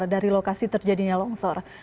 dari lokasi terjadinya longsor